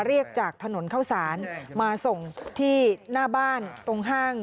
เรียกจากถนนเข้าสารมาส่งที่หน้าบ้านตรงห้าง